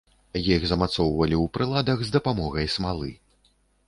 Іх замацоўвалі ў прыладах з дапамогай смалы.